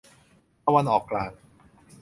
ตะวันออกกลาง